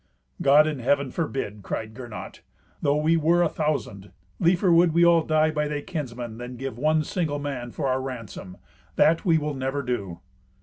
"God in Heaven forbid!" cried Gernot. "Though we were a thousand, liefer would we all die by thy kinsmen, than give one single man for our ransom. That we will never do."